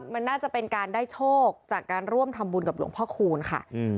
มันน่าจะเป็นการได้โชคจากการร่วมทำบุญกับหลวงพ่อคูณค่ะ